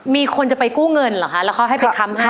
มีคนจะไปกู้เงินเหรอคะแล้วเขาให้ไปค้ำให้